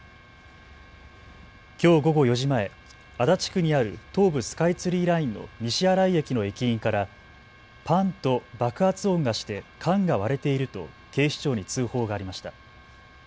きょう午後４時前、足立区にある東武スカイツリーラインの西新井駅の駅員からパンと爆発音がして缶が割れていると警視庁に通報がありました。